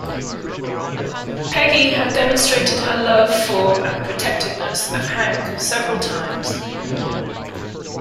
Peggy has demonstrated her love for and protectiveness of Hank several times.